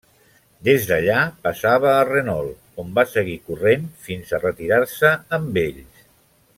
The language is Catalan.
Des d'allà passava a Renault on va seguir corrent fins a retirar-se amb ells.